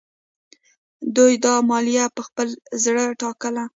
دوی دا مالیه په خپل زړه ټاکله.